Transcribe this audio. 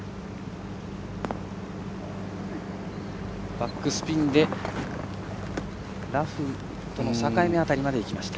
バックスピンでラフとの境目辺りまできました。